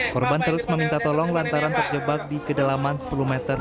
korban terus meminta tolong lantaran terjebak di kedalaman sepuluh meter